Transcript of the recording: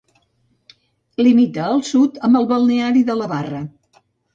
Limita al sud amb el balneari de La Barra.